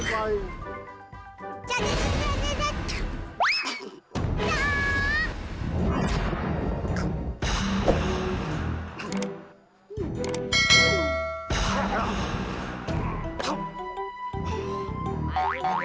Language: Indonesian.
hahaha pasti pake